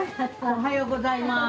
おはようございます！